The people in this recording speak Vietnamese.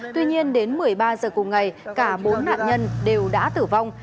tuy nhiên đến một mươi ba giờ cùng ngày cả bốn nạn nhân đều đã tử vong